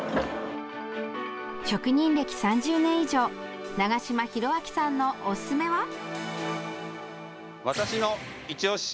職人歴３０年以上、長島弘明さんのおすすめは。